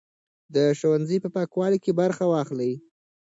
د ښوونځي په پاکوالي کې برخه واخلئ.